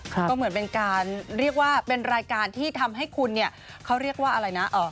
ก็เหมือนเป็นการเรียกว่าเป็นรายการที่ทำให้คุณเนี่ยเขาเรียกว่าอะไรนะ